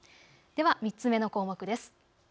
では３つ目の項目です。